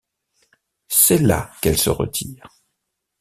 C'est là qu'elle se retire.